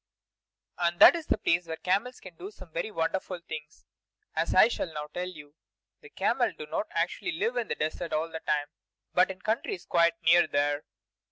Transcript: And that is the place where camels can do some very wonderful things, as I shall now tell you. The camels do not actually live in the desert all the time, but in countries quite near there.